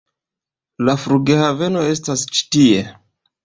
La flughaveno estas ĉi tie.